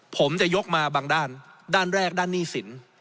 ผมจะยกมาบางด้านด้านแรกด้านหนี้สิน